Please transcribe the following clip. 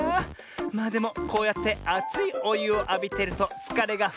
まあでもこうやってあついおゆをあびてるとつかれがふっとぶのミズ」。